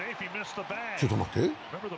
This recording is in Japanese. ちょっと待って？